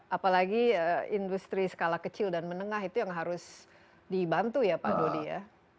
apalagi industri skala kecil dan menengah itu yang harus dibantu ya pak dodi ya